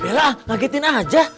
bella ngagetin aja